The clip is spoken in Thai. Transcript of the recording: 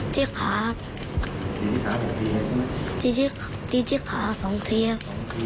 แล้วก็ตีที่มืออีกหนึ่งเทียบ